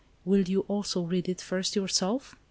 " Will you also read it first yourself